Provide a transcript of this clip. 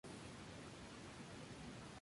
Este nombre mohawk significa al pie de la cuesta.